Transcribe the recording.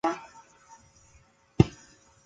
宜嫔死后与儿子同葬孝昌园。